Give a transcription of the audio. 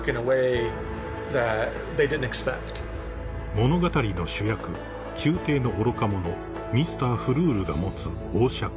［物語の主役宮廷の愚か者ミスター・フルールが持つ］